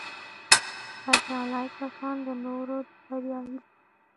بریالي کسان د نورو د بریا هیله لري